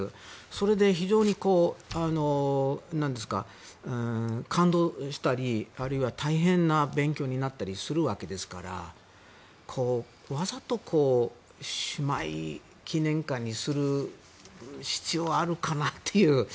それで非常に感動したりあるいは大変な勉強になったりするわけですからわざと姉妹記念館にする必要はあるかなという。